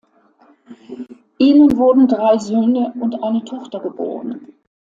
Ihnen wurden drei Söhne und eine Tochter geboren.